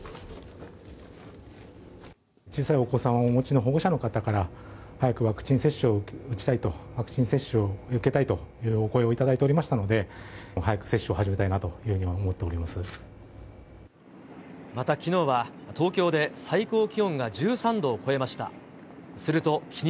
小さいお子さんをお持ちの保護者の方から、早くワクチン接種を打ちたいと、ワクチン接種を受けたいというお声を頂いておりましたので、早く接種を始めたいなというふうまた、きのうは東京で最高気温が１３度を超えました。